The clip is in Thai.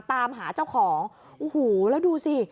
ตามหาเจ้าของโอ้โหแล้วดูสิ